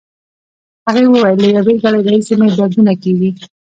هغې وویل: له یو ګړی راهیسې مې دردونه کېږي.